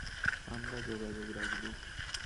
আমরা যোগাযোগ রাখব।